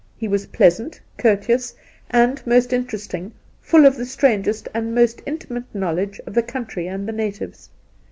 He was pleasant, courteous, and most interesting, Ml of the strangest and most intimate knowledge of the country and the natives.